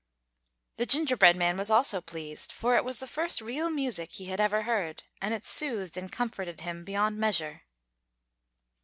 The gingerbread man was also pleased; for it was the first real music he had ever heard, and it soothed and comforted him beyond measure.